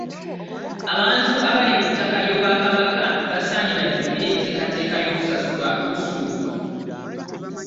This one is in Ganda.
Abantu abali ku ttaka ly'Obwakabaka basaanye bajjumbire enteekateeka y'okusasula busuulu.